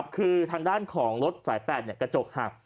คือทางด้านของรถสาย๘กระจกหัก